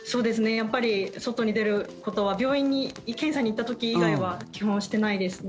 やっぱり外に出ることは病院に検査に行った時以外は基本してないですね。